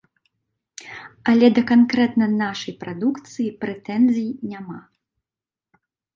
Але да канкрэтна нашай прадукцыі прэтэнзій няма.